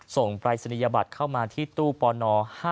ปรายศนียบัตรเข้ามาที่ตู้ปน๕๗